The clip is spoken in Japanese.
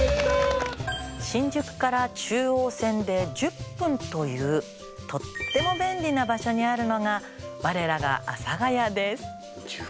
新宿から中央線で１０分というとっても便利な場所にあるのが我らが阿佐ヶ谷です。